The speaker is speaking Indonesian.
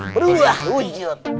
perlu lah wujud